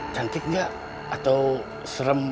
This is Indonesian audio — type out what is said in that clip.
cantik gak atau serem